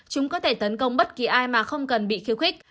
chúng có thể tấn công bất kỳ ai mà không cần bị khiêu khích